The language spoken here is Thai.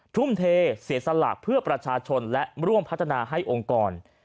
ทุ่มเทเสียสลากเพื่อประชาชนและร่วมพัฒนาให้องค์กร